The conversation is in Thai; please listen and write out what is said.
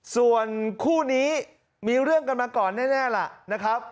ส่วนคู่นี้มีเรื่องกันมาก่อนแน่ล่ะนะครับ